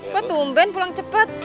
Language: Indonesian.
kok tumben pulang cepat